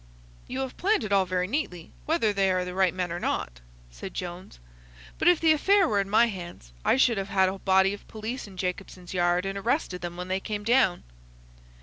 "You have planned it all very neatly, whether they are the right men or not," said Jones; "but if the affair were in my hands I should have had a body of police in Jacobson's Yard, and arrested them when they came down."